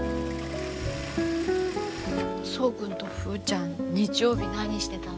そう君とふうちゃん日曜日何してたの？